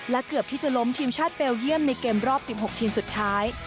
เกือบที่จะล้มทีมชาติเบลเยี่ยมในเกมรอบ๑๖ทีมสุดท้าย